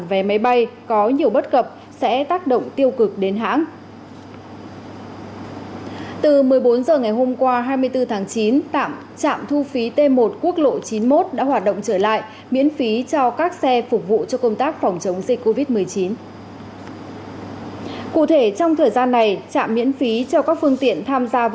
vé máy bay có nhiều bất cập sẽ tác động tiêu cực đến hãng từ một mươi bốn h ngày hôm qua hai mươi bốn tháng chín tạm trạm